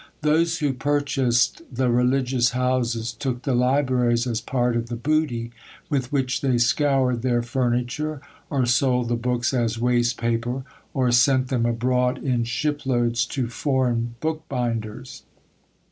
Those who purchased the religious houses took the libraries as part of the booty, with which they scoured their furniture, or sold the books as waste paper, or sent them abroad in ship loads to foreign bookbinders.